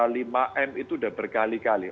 karena kita bicara lima m itu udah berkali kali